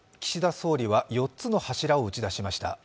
岸田総理は４つの柱を打ち出しました。